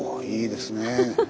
いいですね。